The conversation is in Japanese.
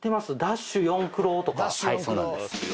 そうなんです。